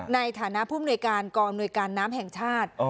ในฐานะผู้มนวยการกองอำนวยการน้ำแห่งชาติ